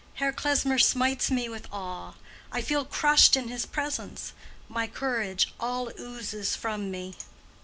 Herr Klesmer smites me with awe; I feel crushed in his presence; my courage all oozes from me."